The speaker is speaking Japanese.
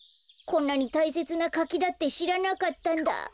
こんなにたいせつなかきだってしらなかったんだ。